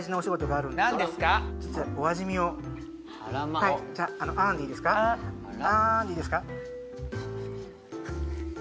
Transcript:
「あん」でいいですか？